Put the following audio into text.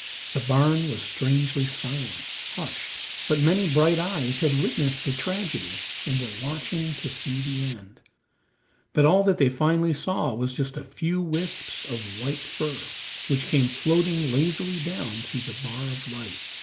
The barn was strangely silent, hushed, but many bright eyes had witnessed the tragedy and were watching to see the end, but all that they finally saw was just a few wisps of white fur, which came floating lazily down through the bar of light.